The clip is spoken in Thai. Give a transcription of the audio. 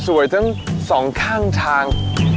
ทั้งสองข้างทาง